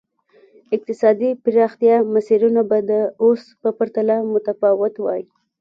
اقتصادي پراختیا مسیرونه به د اوس په پرتله متفاوت وای.